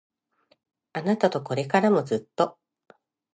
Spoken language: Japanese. あなたとこれからもずっと